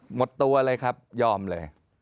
หมดตัวเลยครับยอมเลย